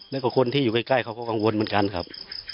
แล้วก็คนที่อยู่ใกล้เขาก็กังวลเหมือนกันครับ